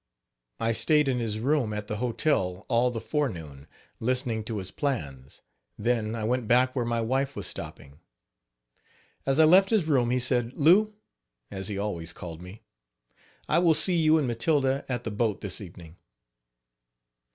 I stayed in his room at the hotel all the forenoon, listening to his plans; then I went back where my wife was stopping. As I left his room, he said: "Lou," as he always called me, "I will see you and Matilda at the boat this evening.